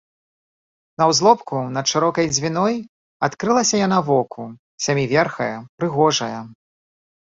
На ўзлобку над шырокай Дзвіной адкрылася яна воку, сяміверхая, прыгожая.